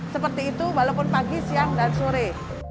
seperti itu walaupun pagi siang dan sore